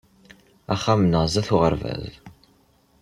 Axxam-nneɣ sdat n uɣerbaz.